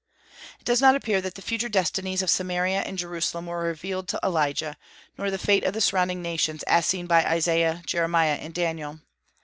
It does not appear that the future destinies of Samaria and Jerusalem were revealed to Elijah, nor the fate of the surrounding nations, as seen by Isaiah, Jeremiah, and Daniel.